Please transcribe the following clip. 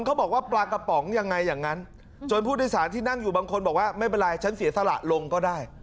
เขาบอกว่าปลากระป๋องยังไงอย่างนั้นจนผู้โดยสารที่นั่งอยู่บางคนบอกว่าไม่เป็นไรฉันเสียสละลงก็ได้